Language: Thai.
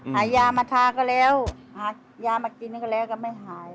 หายามาทาก็แล้วหายามากินก็แล้วก็ไม่หาย